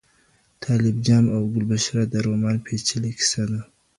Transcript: طالب جان او ګلبشره د رومان پېچلې کیسه ده.